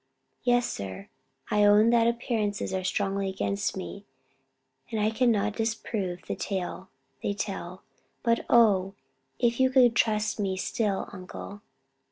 "Yes, sir, I own that appearances are strongly against me, and I can not disprove the tale they tell; but oh, if you could trust me still, uncle!"